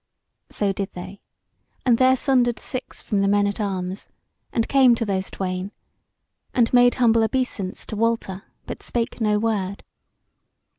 So did they; and there sundered six from the men at arms and came to those twain, and made humble obeisance to Walter, but spake no word.